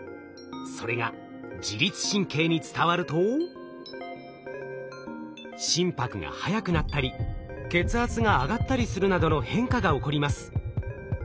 それが自律神経に伝わると心拍が速くなったり血圧が上がったりするなどの変化が起こります。